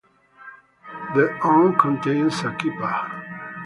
The urn contains a Keeper.